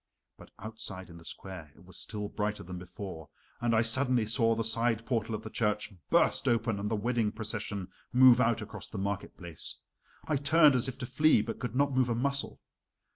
But outside in the square it was still brighter than before, and I suddenly saw the side portal of the church burst open and the wedding procession move out across the market place. I turned as if to flee, but could not move a muscle.